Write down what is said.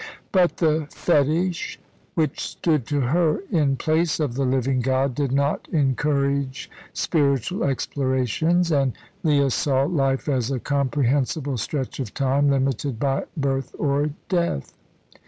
But the fetish which stood to her in place of the Living God did not encourage spiritual explorations, and Leah saw life as a comprehensible stretch of time, limited by birth or death.